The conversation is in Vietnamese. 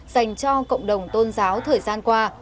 dành cho cộng đồng tôn giáo thời gian qua